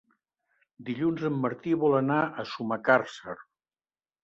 Dilluns en Martí vol anar a Sumacàrcer.